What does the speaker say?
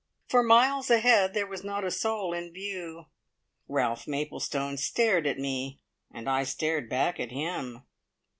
For miles ahead there was not a soul in view. Ralph Maplestone stared at me and I stared back at him.